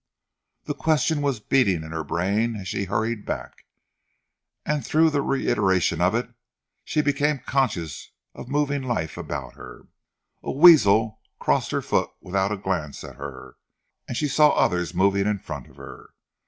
The question was beating in her brain as she hurried back, and through the reiteration of it she became conscious of moving life about her. A weasel almost crossed her foot without a glance at her, and she saw others moving in front of her.